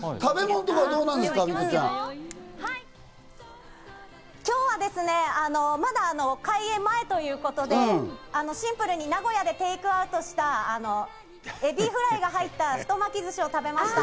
ミト今日はですね、まだ開園前ということで、シンプルに名古屋でテイクアウトしたエビフライが入った太巻きずしを食べました。